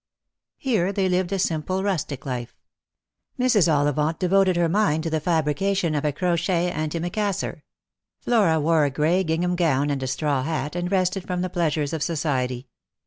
Here they lived a simple rustic life. Mrs. Ollivant devoted her mind to the fabrication of a crochet antimacassar ; Flora wore a gray gingham gown and a straw hat, and rested from the pleasures of society.